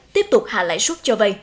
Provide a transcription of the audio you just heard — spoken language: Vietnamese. tiếp tục hạ lãi suất cho vay